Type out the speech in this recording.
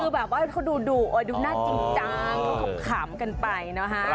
คือแบบว่าเขาดูดูหน้าจริงจังเขาขำกันไปนะฮะ